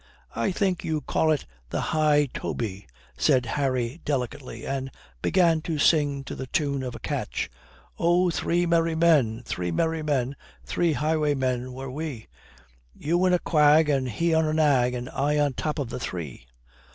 "I think you call it the high toby," said Harry delicately and began to sing to the tune of a catch: "Oh, three merry men, three merry men, three highwaymen were we. You in a quag and he on a nag and I on top of the three."